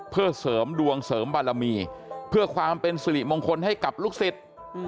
เพื่อเสริมดวงเสริมบารมีเพื่อความเป็นสิริมงคลให้กับลูกศิษย์